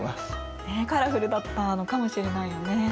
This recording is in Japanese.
カラフルだったのかもしれないよね。